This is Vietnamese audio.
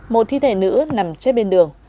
một thi thể nữ nằm chết bên đường